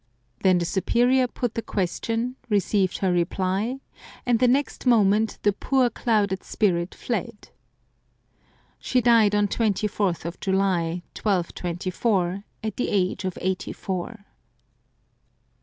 Then the Superior put the question, received her reply, and the next moment the poor clouded spirit fled. She died on 24th July 1224, at the age of eighty four.